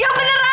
ya bener aja